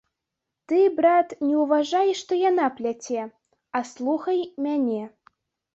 Ты, брат, не ўважай, што яна пляце, а слухай мяне.